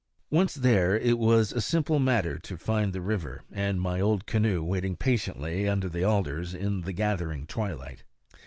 Once there, it was a simple matter to find the river and my old canoe waiting patiently under the alders in the gathering twilight.